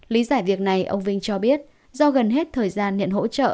lý giải việc này ông vinh cho biết do gần hết thời gian nhận hỗ trợ